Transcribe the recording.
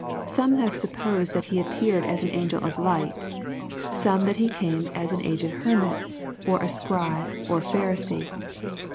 Some have suppose3~that he appeared as an angel of Hght; some that he came as an aged hermit, or as a Scribe or Pharisee.